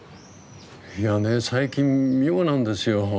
いやね最近妙なんですよ。